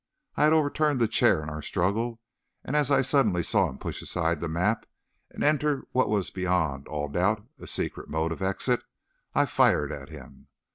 I had overturned the chair in our struggle and as I suddenly saw him push aside the map and enter what was beyond all doubt a secret mode of exit, I fired at him.